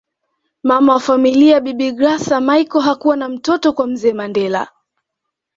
Mama wa familia bibi Graca Michael hakuwa na mtoto kwa mzee Mandela